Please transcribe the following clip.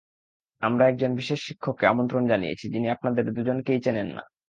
আমরা একজন বিশেষ শিক্ষককে আমন্ত্রণ জানিয়েছি, যিনি আপনাদের দুজনকেই চেনেন না।